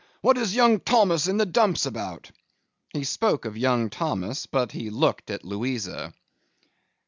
What is young Thomas in the dumps about?' He spoke of young Thomas, but he looked at Louisa.